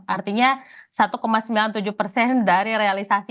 artinya satu sembilan puluh tujuh persen dari realisasi